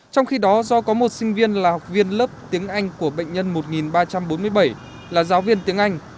trong khi đó do có một sinh viên là học viên lớp tiếng anh của bệnh nhân một ba trăm bốn mươi bảy là giáo viên tiếng anh